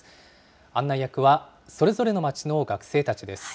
案内役は、それぞれの街の学生たちです。